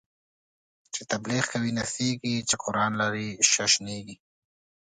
چی تبلیغ کوی نڅیږی، چی قران لولی ششنیږی